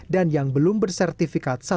dan yang belum bersertifikat